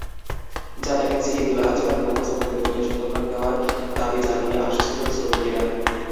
জানা গেছে, ঈদুল আজহার বোনাস মূল বেতনের শতভাগ দেওয়ার দাবি জানিয়ে আসছিলেন শ্রমিকেরা।